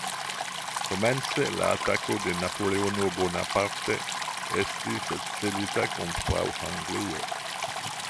Komence la atako de Napoleono Bonaparte estis celita kontraŭ Anglio.